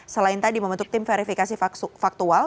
selain tadi membentuk tim verifikasi faktual